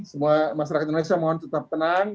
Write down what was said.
semua masyarakat indonesia mohon tetap tenang